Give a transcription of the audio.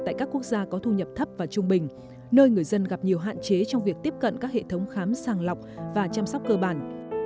tại các quốc gia có thu nhập thấp và trung bình nơi người dân gặp nhiều hạn chế trong việc tiếp cận các hệ thống khám sàng lọc và chăm sóc cơ bản